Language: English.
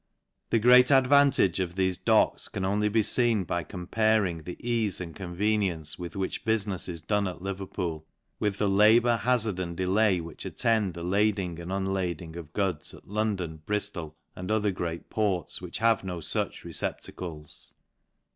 The great advantage of thefe t'ocks can only m: feen by comparing the eaie and convenience with which buhnefs is done at Levcrpocl, with he labour, . izard, and delay, which attend the lading and'un ^•1 ding of goods at London Brijlol, and other greac prts, which have no fuch receptacles.